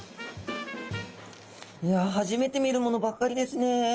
いや初めて見るものばっかりですね。